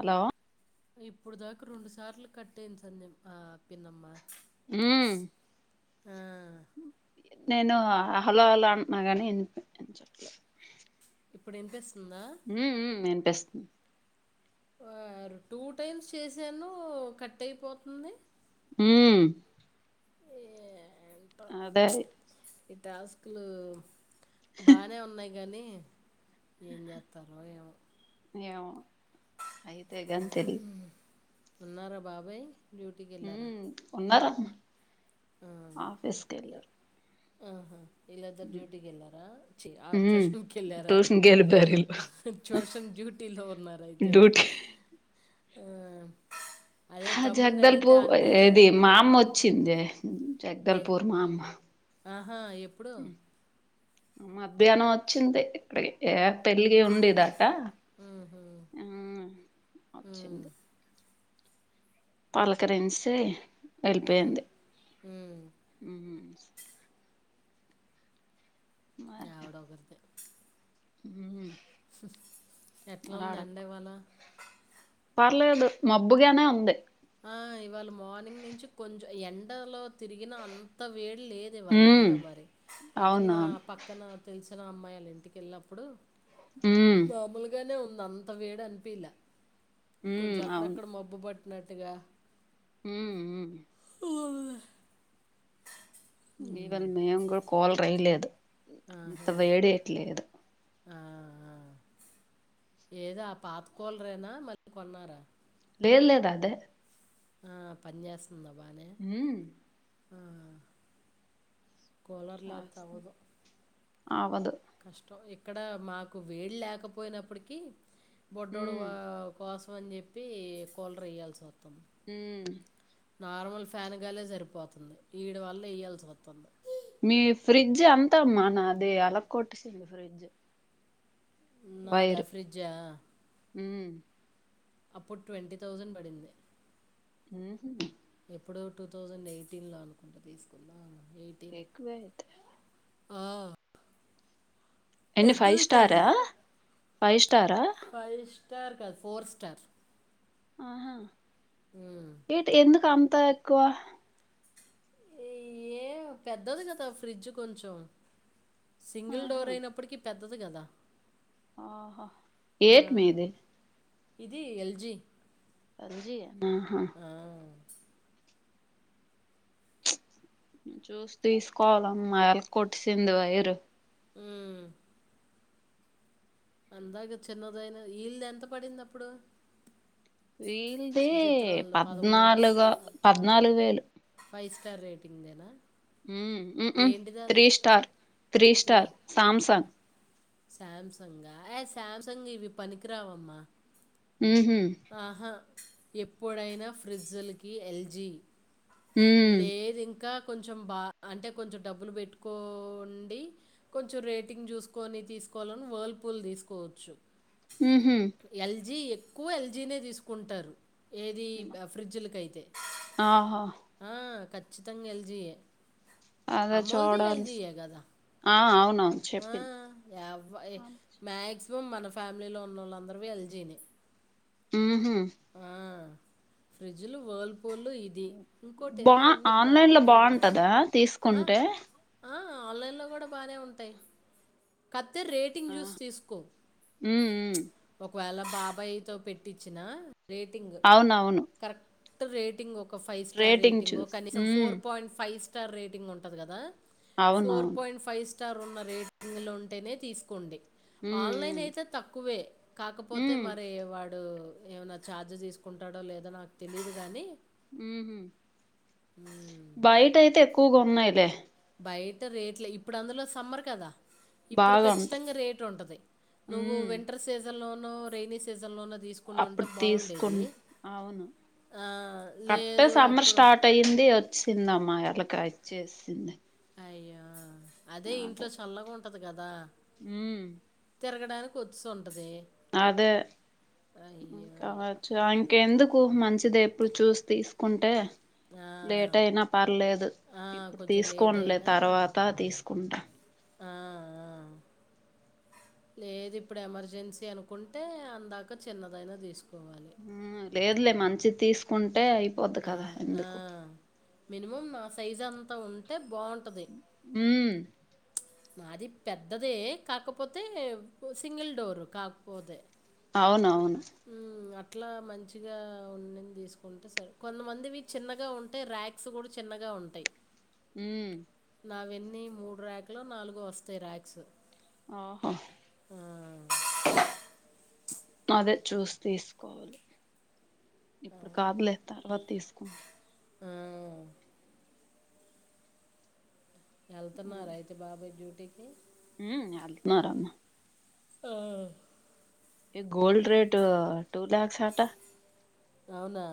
Hello ఇప్పుడుదాకు రొండు సార్లు కట్టేంది సందం ఆ పిన్నమ్మ ఊమ్ ఆ, నేను ఆ హలో హలో అంటున్నా గాని వినిపించట్లే ఇప్పుడు ఇన్వెస్ ఊమ్ ఉమ్ ఎం తెస్తుం ఓర్ టూ టైమ్స్ చేసాను కట్ అయిపోతుంది ఊమ్ ఏంటో ఈ టాస్కులు బానే ఉన్నాయి గానీ ఏం చేస్తారో ఏమో ఏవు అయితేే గానీ తెలియదు ఉన్నర బాబాయ్ డ్యూటీకి వెళ్ళారా ఉమ్ ఉన్నారు ఆ, ఆఫేస్కలరు ఆహా ఇళ్లాద్దరు డ్యూటీకి వెళ్ళారా ఆ ట్యూషన్కి వెళ్ళారా ట్యూషన్కి వెళ్ళిపోయారు వీళ్ళు ట్యూషన్ డ్యూటీలో ఉన్నార అయితే ఆ అదే ఆ తమ్ముడిని జగదల పూ అడిగితే అంటాడు ఏది మా అమ్మ వచ్చింది ఏ జగదల్పర్ మామ్మ ఆహా ఎప్పుడు మధ్యాహ్నం వచ్చింది ఇక్కడికి ఏ పెలిగి ఉండేదట ఉహు, ఉమ్, వచ్చింది పలకరంచి ఉమ్, వెళ్ళిపోయింది ఉమ్." యా వోకడితే హ ఎట్లా ఉందండి ఇవాళ పర్లేదు మబ్బుగానే ఉంది ఇవాళ మార్నింగ్ నుంచి కొంచెం ఎండలో తిరిగిన అంత వేడి లేదు ఇవాళ్ళ మ్మ్ ఏంటో మరి పొద్దున్న అవునవును పక్కన తెలుసు అ అమ్మాయిల ఇంటికిెళ్ళినప్పుడు మ్మ్ మాములుగానే ఉంది అంత వేడ్ అనిపిలా కొంచెం మ్మ్ అక్కడక్కడ మబ్బు పట్టి గా హ్మ్మ్ మ్మ్ ప [unintelligible] ఈవెన్ నేన్ కుడ్ కూలర్ ఏయ్యలేదు అంత ఆహా వేడయట్లేదు ఆ ఆ ఏది అ పాత కూలర్ ఎన మళ్ళీ కొన్నారా లేద్ లెద్ అదే ఆ పని చేస్ ఉందా బానే మ్మ్ ఆ కూలర్ లేతే అవదు అవదు కష్టం ఇక్కడ మాకు వేడిలేకపోయినప్పటికీ బుడోడు మ్మ్ వా వా స్ మని చెప్పి కూలర్ ఎయ్యాల్సిఒతుంది ఉమ్ నార్మల్ ఫ్యాన్ గాలే సరిపోతుంది ఈడి వల్ల ఎ య్యాల్సి వతుంది మీ ఫ్రిడ్జ్ అంతా మ్మనదె అల కొట్టేసారు ఫ్రిడ్జ్ నాదా ఫ్రిడ్జా? ఉమ్మ్ అప్పుడు ట్వంటీ థౌజండ్ పడింది ఉహు ఎప్పుడో టూ థౌజండ్ ఎయిటీన్ లో అనుకుంట తీసుకున్నా ఎక్కువే అయితే ఆ ఎన్ని ఫైవ్ స్టారా? ఫైవ్ స్టారా ఫైవ్ స్టార్ కాదు ఫోర్ స్టార్ ఆహా మ్మ్. ఏ త్ ఎందుకాం తక్కువ ఈ ఏ పెద్దది కదా ఫ్రిడ్జ్ కొంచెం సింగిల్ ఆహా డోర్ అయినప్పటికి పెద్ ది కదా ఆహా ఆ, ఏటి మీది ఇది ఎల్జీ ఎల్ జి ఆ ఆహా ఆ, చూసి తీసుకోవాల అమ్మా ఎలక్కోట్సింది వైరు ఉమ్ అందాగా చిన్నదైన ఇళ్ళది ఎంత పడింది అప్పుడు వీల్ది సుచిత్ర వాళ్ళది పదమూడు పద్నాలుగు పద్నాలుగు వేలు ఫైవ్ స్టార్ రేటింగ్ దేనా ఉమ్ ఉహూ three star three star Samsung Samsung ఆ ఏ సామ్సంగ్ ఇవి పనికిరావమ్మా ఉహు ఆహా ఎప్పుడైనా ఫ్రిడ్జ్లకి ఎల్జీ ఉమ్ లేదు ఇంకా కొంచెం బాగా అంటే కొంచెం డబ్బులు పెట్టుకోండి కొంచెం రేటింగ్ చూసుకొని తీసుకోవాలని వర్ల్పూల్ తీసుకోవచ్చు ఉహు ఎల్జి ఎ క్కువ ఎల్జీనే తీసుకుంటారు ఏది ఫ్రిడ్జ్లకైతే ఆహా ఆ కా ఖచ్చితంగా ల్జీయే అద చూడల్ ఆ అవును ఆ యావ ఏ మా క్సిమం మన ఫ్యామిలీలో ఉన్న వాళ్ళందరూ ఎల్జీనే ఉహ ఫ్రిడ్జ్లు వల్ బా ఆన్లైన్ బ్రాండ్ లో పేరు గాని. బాగుంటదా ఆ! తీసుకుంటే ఆ ఆన్లైన్లో కూడా బాగానే ఉంటాయి కత్ తే రేటింగ్ ఆ చూసి తీస్కో ఉమ్ ఉమ్ ఒకవేళ బాబయ్ తో పెట్టించిన రేటింగ్ అవునవును కరెక్ క్ట్ రేటింగ్ ఒ ఒక ఫైవ్ స్టార్ రేటింగ్ చూస్ కనీసం ఉమ్ four point five star rating ఉంటది కదా ఫోర్ అవునవును పాయింట్ ఫైవ్ సా స్టార్ ఉన్న రేటింగ్లు ఉంటేనే తీసుకోండి ఆన్లైన్ ఉమ్ అయితే తక్కువే కాకపోతే ఉమ్ మరి వా టు ఏమనా ఛార్జ్ తీసుకుంటాడో లేదో నాకు తెలీయదు కానీ ఉహు ఉమ్, బయట అయితే ఎక్కు గున్నాయి లే బయట రేట్లే ఇప్పుడు అందులో సమ్మర్ కదా ఇప్పుడు బాగా ఉంటాయి కచ్చితంగా రేటు ఉంటది నువ్వు ఉమ్ వింటర్ సిజన్ లో న్ నో రెయిని సీజన్ లో నో అప్పుడు తీసుకు అవును ఆ, కట్టే లేదు సమ్మర్ అప్పుడు స్టార్ట్ అయింది చ్చిందమ్మా ఎలాకా అచ్చేసింది అయ్యో అదే ఇంట్లో చల్లగా ఉంటది కదా ఉమ్ తిరగడానికి కొద్సు ఉంటది అదే అయ్యో ఇంకావచ్చు ఇంకెందు క్కువ మంచిది ఎప్పుడు చూసి తీసుకుంటే ఆ, లేట్ అయినా పర్లేదు ఆ, ఇప్పుడు కొంచెం లేట్ తీసుకోన్ లే అయినా తర్వాత తీసుకుంటా ఆ, ఆ. లేదు ఇప్పుడు ఎమర్జెన్సీ అనుకుంటే అందాక చిన్నదైనా తీసుకో ఉమ్ లేదులే మంచి తీసుకుంటే అయిపోద్దు కదా ఎందుకు నిమమ్ నా సైజ్ అంతా ఉంటే బాగుంటది మ్మ్ నాది పెద్దదే కాకపోతే సింగిల్ డోరు కాకపోతే అవునవును ఉమ్ అ ట్లా మంచిగా ఉన్నంది తీసుకుంటే సరే కొంతమందివి చిన్నగా ఉంటాయి ర్యాక్స్ కూడా చిన్నగా ఉంటాయి ఉమ్ నావెన్నీ మూడు ర్యాకులో నాలుగొ వస్తాయి ర్యాక్స్ ఓహో ఆ! అదే చూసి తీసుకోవాలి ఇప్పుడు కాదులే తా బతి స్కూల్ ఆ ఎళ్తున్నారా అయితే బాబాయ్ డ్యూ నీకే మ్ ఎల్తున్నార్ అన్నా ఆ ఏ గోల్డ్ రేట్ టూ లాక్స్ అట అవునా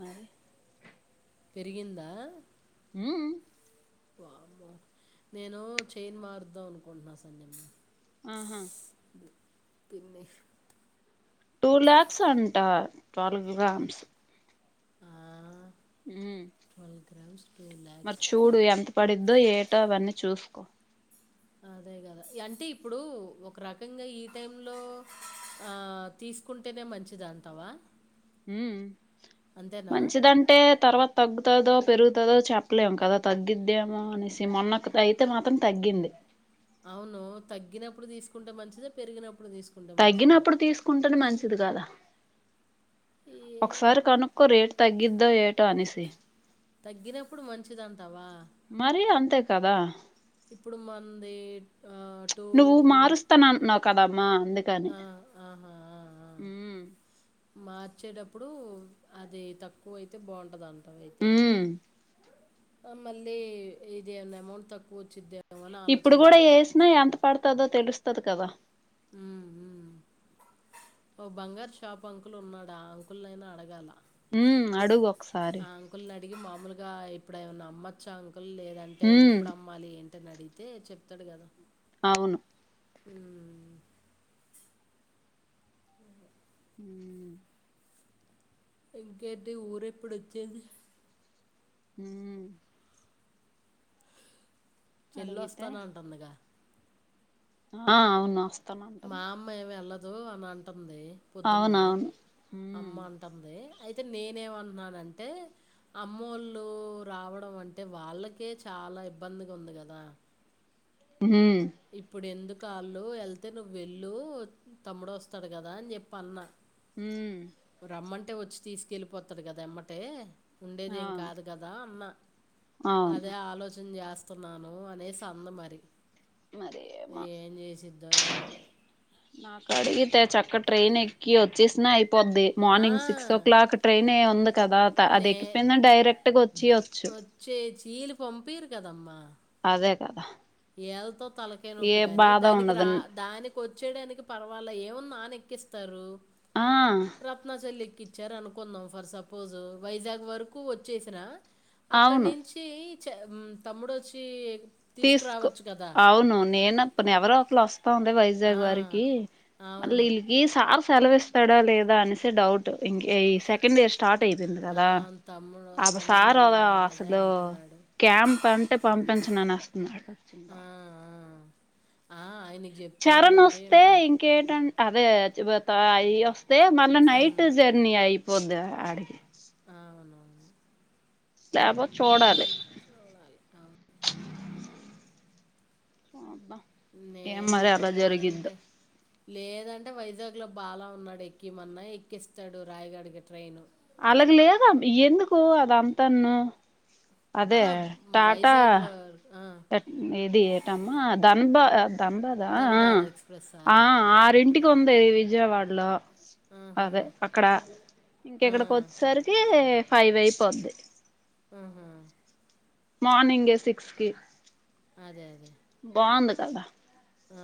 మరి పెరిగిందా మ్ వామ్మో నేను చైన్ మారుద్దాం అనుకుంటున్నా సంజమ్మ ఆహా పిన్ని టూ లాక్స్ అంట ట్వల్వ్ గ్రామ్స్ ఆ! మ్ గ్రామ్స్ మరి లాక్స్. చూడు ఎంత పడిద్దో ఏటో అవన్నీ చూస్కో అదే కదా అంటే ఇప్పుడు ఒక రకంగా ఈ టైమ్లో ఆ తీస్కుంటేనే మంచిదంటావా మ్ అంతేనా? మంచిదంటే తర్వాత తగ్గు తదో పెరుగుతదో చెప్పలేం కదా తగ్గిద్దేమో అనేసి మొన్నకు అయితే మాత్రం తగ్గింది. అవును తగ్గినప్పుడు తీస్కుంటే మంచిద పెరిగిన తగ్గినప్పుడు తీస్కుంటేనే మం ఇది గాద ఒకసారి ఏమమ్మా! కనుక్కో రేట్ తగ్గిద్దో ఏ టో అనేసి తగ్గినప్పుడు మంచిదంటావా మరీ అంతే కదా ఇప్పుడు మన్దీ నువ్వు మారుస్తానన్నావ్ కదా మా అందుకని ఆ! ఆహా! ఆ! ఆ! ఉమ్ మార్చేటప్పుడు అది తక్కువైతే బావుంటదం ట దయితే ఉమ్ ఆ మళ్ళీ ఇది ఏమన్న అమౌంట్ తక్కువచ్చిద్దే ఇప్పుడు గుడా ఏసినా ఎంత పడ్తదో తెలుస్ స్తది కదా హ్మ్ మ్ ఓ బంగార్ షాప్ అంకుల్ ఉంన్నాడా ఆ అంకుల్నైనా అడగాల హ్మ్ అడుగు ఒకసారి ఆ అంకుల్నడిగి మా ములుగా ఇప్పుడేమన్నా అమ్మచ్చా లేదంటే ఉమ్ ఎప్పుడమ్మాలి ఏ నడిగితే చెప్తడు కదా అవును ఉమ్ మ్మ్ ఇంకేటి ఊరెప్పుడొచ్చేది హూ అడిగితే చెల్లోస్తానంటంది గా ఆ అవును వస్తానంటుంది మా అమ్మ ఏవీ ఆళ్ల ఓహ్ అన ంది పొద్దున్న అవునవును అమ్మ ఉమ్ అంటింది అయితే నేనేమంటనానంటే అమ్మోళ్ళు రావడం అంటే వాళ్ళకే చాలా ఇబ్బందిగా ఉంది కదా ఇప్పుడు ఎందు కాళ్ళు ఎళ్తే నువ్వు వెళ్ళు తమ్ముడోస్తాడు కదా అని చెప్ప అన్నా ఉమ్ రమ్మంటే వచ్చి తీసుకెళ్ళిపోతారు కదా ఎమ్మటే ఉండేది ఆ ఏం కాదు కదా అన్న అదే అవును ఆలోచన చేస్త వస్తున్నాను అనేసందు మరి మరేమో ఏం చేసిందో మరి నాకు అడిగితే చక్క ట్రైన్ ఎక్కి వచ్చేసిన అయిపో పోద్ది "ఆ, morning six o'clock train ఉంది కదా నే అదెక్కి పోయిన డైరెక్ట్ ఒచేయోచు పంపిరూ కదమ్మ అదే కదా ఏలతో తలకే ఏ నొప్పి కాగాని బాధ దానికి ఉండదు రా దానికి వచ్చేడానికి పర్వాలా ఏమున్నా ఆన పంపిస్తారు ఆ రత్నా చల్లికి ఇచ్చార అనుకుందాం ఫర్ సపోజ్ వైజాగ్ వరకు వచ్చేస అక్కడ అవును నించి తమ్ముడుఒచి తీసుకో అవును నేనుప్పును ఎవరో ఒకలా వస్త బొంబాయి ఆ, వైజాగ్ వారికి మళ్ళీ అవును ఇళకి సార్ సెలవు ఇస్తాడో లేదా అనేసి డౌట్ ఇంక ఈ సెకండ్ ఇయర్ స్టార్ట్ అయిపోయింది ఆ, కదా తమ్ముడు ఆ తమ్ముడు సార్ అన్న అద అదే అసలు అంటున్నాడు క్యాంప్ అంటే పంపించనుని పశ్చిం బా అ ఆయనే చరణ్ ఓస్తే ఇంకేంట అదే చివతాయి వస్త తే మళ్ళ నైట్ మ్, జర్నీ అయి పొద ఆడికి ఆ అవును లేకపోతే చూడాలి చూడాలి అవును అబ్బా నేను అదే మార్నింగ్ టైమ్ లేదంటే వైజాగ్ లో బాల ఉన్నాడు ఎక్కిమన్నా ఎక్కిస్తాడు రాయగడికి ట్రైన్ అలాగ లేదండి ఎందుకు అది అంతన్న హ వైజాగ్ వర ఇది ఏటమ్మా దన్బద్ తంబదా ధన్‌బాద్ ఎక్స్‌ప్రెస్సా? ఆ ఆరింటికి తుంది విజయవాడలో ఆహా! అదే అక్కడ ఆ! ఇంకెక్కడికి వచ్చేసరికి ఫైవ్ అయిపోది ఆహ మార్నింగ్ సిక్స్ కి అదే అదే బాగుంది కదా ఆ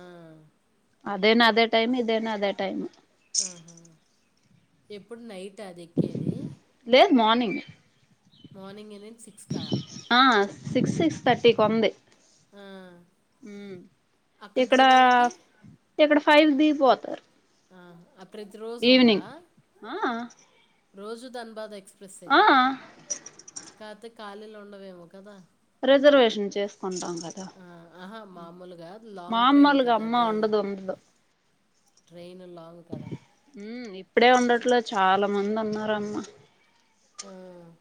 అదేనా అదే టైమ్ ఇదేనా అదే టైమ్ ఆహా! ఎప్పుడు నైట్ క ఎక్కేది లేదు మార్నింగ్ మార్నింగ్ ఏని సిక్స్ కా ఆ సిక్స్ సిక్స్ థర్టీకి ఉంది ఆ ఉమ్ అక్కడ ఇక్కడ దిగెదవడికి ఇక్కడ ఫైవ్ ది పోతారు ఆహ్, ప్రతిరోజుందా? ఈవినింగ్ ఆఆ రోజు ధన్బాద ఎక్స్ ప్రెస్సే కతేక్ ఖాళీలుండవేమో కదా రిజర్వేషన్ చేస్ కొంటాం. కాదా ఆ! ఆహా! ఉమ్ మామూలుగా లాంగ్ ట్రైన్ మామ్మూలుగా కదా అమ్మా అది. ఉండదు ఉండ్దు. ట్రైన్ లాంగ్ కదా ఉమ్ ఇప్పుడే ఉండట్లే చాలా మంది ఉన్నారమ్మ. ఆ!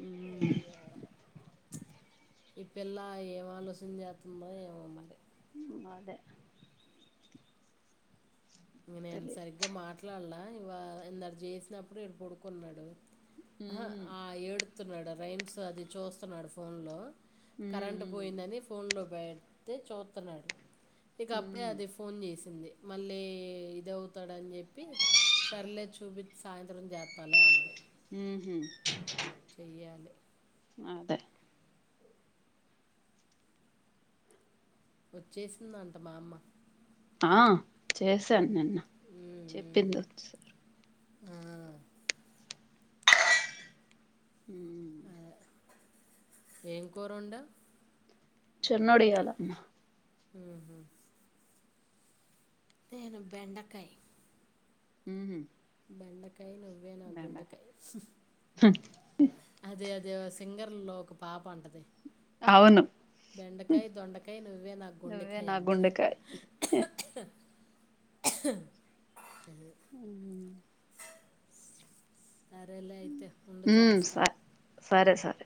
మ్మ్మ్ ఈ పిల్ల ఏం ఆలోసన్ చేతుందో ఏమో మరి మాదే ఇంగ నేన్ తెలిదు సరిగ్గా మాట్లాల్లా ఇవాల ఇందాక చేసినప్పుడే ఇడ్ పడుకున్నాడు ఆహా హ్మ్ ఆ ఏడు తున్నాడు. రైమ్స్ అది చూస్తున్నాడు ఫోన్ లో హ్మ్ కరెంట్ హ్మ్ పోయిందని ఫోన్ లో ప్ బెడ్తే చూతున్నాడు ఇక అప్పుడే అదే ఫోన్ చేసింది. మళ్ళీ ఇదవుతాడన్ జెప్పి. సర్లే చూపించ్ సాయంత్రం జెతలే అంది. ఉహ్ హు చెయ్యాలి నాదే వచ్చేసిందన్ట మా అమ్మ ఆ చేశాన్ ఉమ్, నిన్న ఉమ్, ఉమ్. చెప్పింది వచ్సారూ ఆ హ్మ్ ఏం కూరోండావ్ చెన్నోడియాలమ్మా ఉహ్ హు తేను బెండకాయ్ ఉహ్ హు బెండక్ బెండకాయ్ ఉహు ప అదే అదే ఓ సింగర్ లో ఒక పాప అంటది. అవును బెండకాయ్, దొండకాయ్ నువ్వే నా నువ్వే గుండెకాయ్ నా అంట. గుండెకాయ్ సరేలా అయితే ఉండు హ్మ్ చేస్తా సరే సరే సరే